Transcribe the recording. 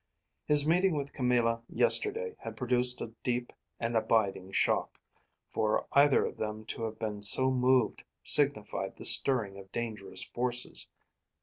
His meeting with Camilla yesterday had produced a deep and abiding shock; for either of them to have been so moved signified the stirring of dangerous forces.